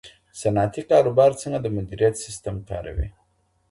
صنعتي کاروبار څنګه د مدیریت سیستم کاروي؟